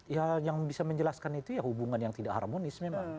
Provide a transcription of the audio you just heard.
ya yang bisa menjelaskan itu ya hubungan yang tidak harmonis memang